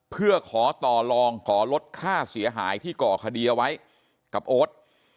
เพื่อขอต่อลองขอลดค่าเสียหายที่ก่อคดีเอาไว้กับโอ๊ต